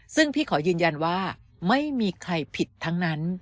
ซึ่งพี่ขอยืนยันว่าไม่มีใครผิดทั้งนั้น